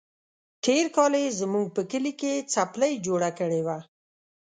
تېر کال يې زموږ په کلي کې څپلۍ جوړه کړې وه.